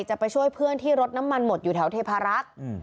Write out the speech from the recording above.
จะไปช่วยเพื่อนที่รถน้ำมันหมดอยู่แถวเทพารักษ์